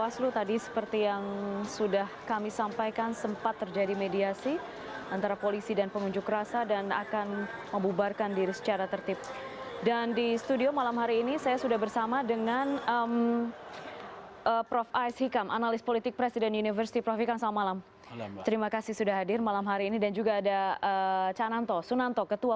sampai jumpa di video selanjutnya